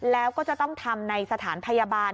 แล้วก็จะต้องทำในสถานพยาบาล